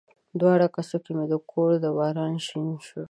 دواړو کسو کې مې کور د باران شین شو